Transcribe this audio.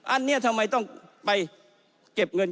อันนี้ทำไมต้องไปเก็บเงิน